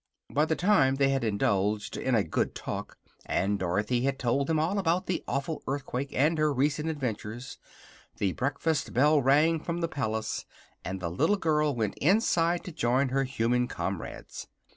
By the time they had indulged in a good talk and Dorothy had told them all about the awful earthquake and her recent adventures, the breakfast bell rang from the palace and the little girl went inside to join her human comrades.